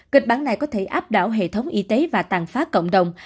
kịch bản này có thể áp đảo hệ thống y tế và tàn phá cộng đồng